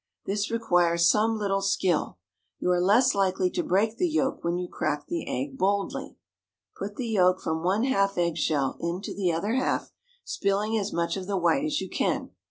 This requires some little skill; you are less likely to break the yolk when you crack the egg boldly. Put the yolk from one half egg shell into the other half, spilling as much of the white as you can.